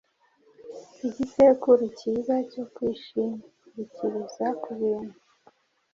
Igisekuru cyiza cyo kwishingikiriza kubintu